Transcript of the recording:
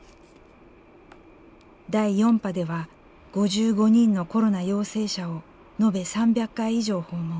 第４波では５５人のコロナ陽性者を延べ３００回以上訪問。